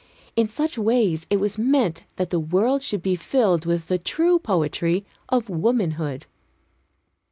In such ways it was meant that the world should be filled with the true poetry of womanhood.